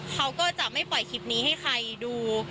เขาก็จะไม่ปล่อยคลิปนี้ให้ใครดู